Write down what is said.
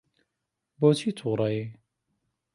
بۆچی تووڕەی؟